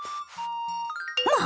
まあ！